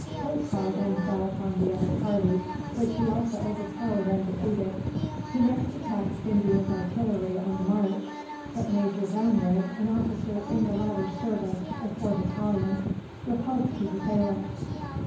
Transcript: Holkar then fell upon the other party, which he also overpowered and defeated. He next attacked Scindia's artillery on the march; but Major Brownrigg, an officer in the latter's service, with four battalions, repulsed his assailants.